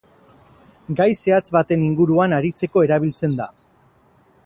Gai zehatz baten inguruan aritzeko erabiltzen da.